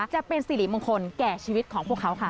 จะเป็นสิริมงคลแก่ชีวิตของพวกเขาค่ะ